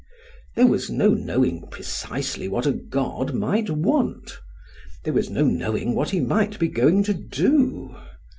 There was no knowing precisely what a god might want; there was no knowing what he might be going to do.